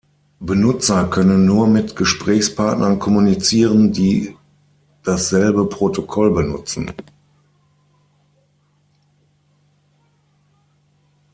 Benutzer können nur mit Gesprächspartnern kommunizieren, die dasselbe Protokoll benutzen.